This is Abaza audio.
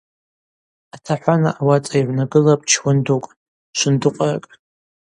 Атахӏвана ауацӏа йыгӏвнагылапӏ чуан дукӏ, швындыкъваракӏ.